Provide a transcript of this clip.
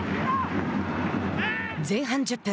前半１０分。